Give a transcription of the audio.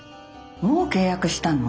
もう契約したの？